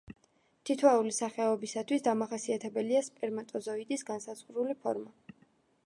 თითოეული სახეობისათვის დამახასიათებელია სპერმატოზოიდის განსაზღვრული ფორმა.